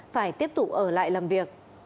phải tiếp tục ở lại làm việc